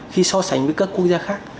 khi so sánh với các quốc gia khác